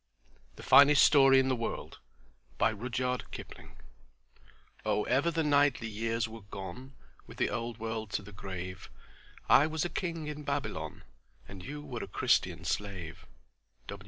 "THE FINEST STORY IN THE WORLD" "O' ever the knightly years were gone With the old world to the grave, I was a king in Babylon And you were a Christian slave."